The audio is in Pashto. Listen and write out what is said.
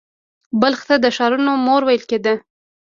بلخ ته د ښارونو مور ویل کیده